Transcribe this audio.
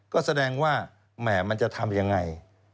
ก็แสดงว่าแหม่มันจะทำยังไง